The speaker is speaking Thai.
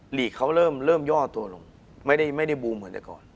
ลีกเขาเริ่มย่อตัวลงไม่ได้บูมเหมือนแต่ก่อน